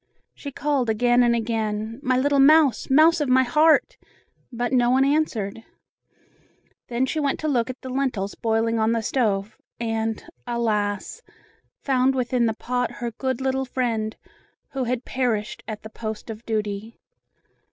She called again and again, "My little mouse! Mouse of my heart!" but no one answered. Then she went to look at the lentils boiling on the stove, and, alas! found within the pot her good little friend, who had perished at the post of duty.